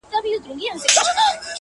اوس په فلسفه باندي پوهېږمه!!